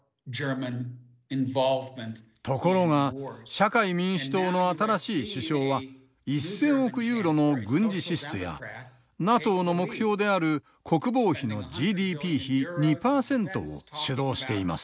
ところが社会民主党の新しい首相は１，０００億ユーロの軍事支出やＮＡＴＯの目標である国防費のＧＤＰ比２％を主導しています。